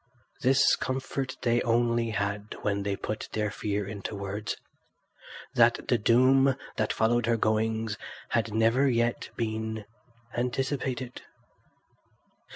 This comfort they only had when they put their fear into words—that the doom that followed her goings had never yet been anticipated.